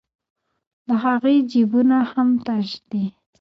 د هغې جېبونه هم تش دي